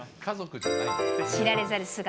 知られざる素顔